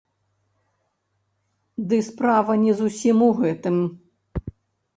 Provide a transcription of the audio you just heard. Ды справа не зусім у гэтым.